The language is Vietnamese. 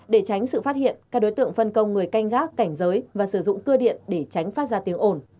để tránh sự phát hiện các đối tượng phân công người canh gác cảnh giới và sử dụng cơ điện để tránh phát ra tiếng ồn